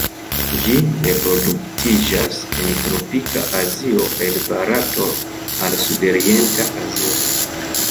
Ĝi reproduktiĝas en tropika Azio el Barato al Sudorienta Azio.